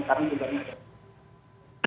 itu sudah diaktif